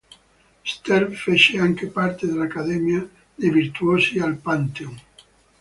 Stern fece anche parte dell'Accademia dei virtuosi al Pantheon.